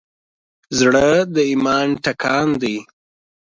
زړه د ایمان ټکان دی.